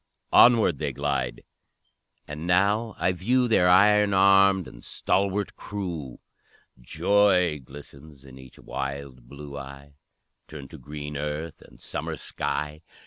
Onward they glide, and now I view Their iron armed and stalwart crew; Joy glistens in each wild blue eye, Turned to green earth and summer sky.